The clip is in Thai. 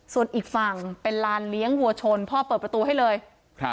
ส่วนอีกฝั่งเป็นลานเลี้ยงวัวชนพ่อเปิดประตูให้เลย